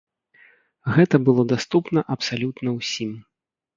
Гэта было даступна абсалютна ўсім.